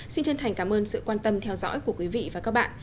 xin chân thành cảm ơn sự quan tâm theo dõi của quý vị và các bạn